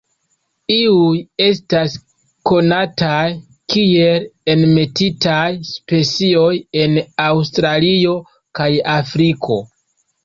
Iuj estas konataj kiel enmetitaj specioj en Aŭstralio kaj Afriko.